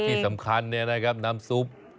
ที่สำคัญเนี่ยนะครับน้ำซุป